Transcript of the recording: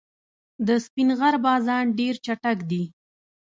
د سپین غر بازان ډېر چټک دي.